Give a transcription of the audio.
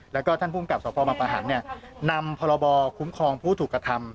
แล้วก็ท่านภูมิกับสพบังปะหันนำพรบคุ้มครองผู้ถูกกระทำ